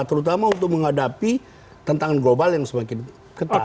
terutama untuk menghadapi tantangan global yang semakin ketat